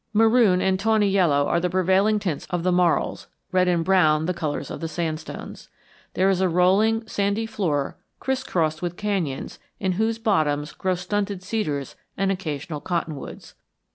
Maroon and tawny yellow are the prevailing tints of the marls, red and brown the colors of the sandstones. There is a rolling sandy floor crisscrossed with canyons in whose bottoms grow stunted cedars and occasional cottonwoods.